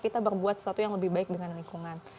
kita berbuat sesuatu yang lebih baik dengan lingkungan